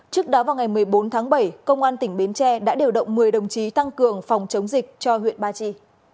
trước đó vào ngày một mươi bốn tháng bảy công an tỉnh bến tre đã điều động một mươi đồng chí tăng cường phòng chống dịch cho huyện ba chi